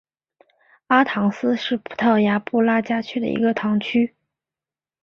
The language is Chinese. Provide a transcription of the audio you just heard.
阿唐斯是葡萄牙布拉加区的一个堂区。